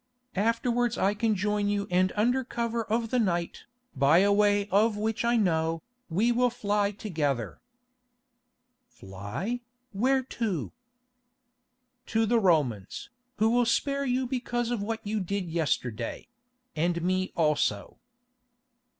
Afterwards I can join you and under cover of the night, by a way of which I know, we will fly together." "Fly? Where to?" "To the Romans, who will spare you because of what you did yesterday—and me also."